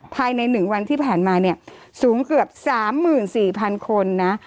ภายใน๑วันที่ผ่านมาเนี่ยสูงเกือบ๓๔๐๐๐คนนะ